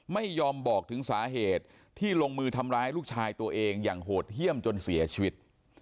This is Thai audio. ไม่ยอมบอกถึงสาเหตุที่ลงมือทำร้ายลูกชายตัวเองอย่างโหดเยี่ยมจนเสียชีวิต